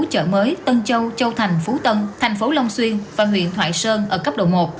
châu thành phú tân thành phố long xuyên và huyện thoại sơn ở cấp độ một